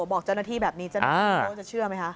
บอกเจ้าหน้าที่แบบนี้เจ้าหน้าที่เขาจะเชื่อไหมคะ